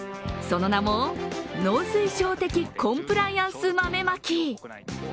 その名も、農水省的コンプライアンス豆まき。